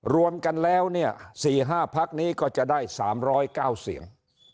รวมกันแล้วเนี่ย๔๕พักนี้ก็จะได้๓๐๙เสียง